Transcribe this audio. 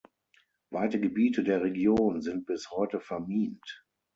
Weite Gebiete der Region sind bis heute vermint.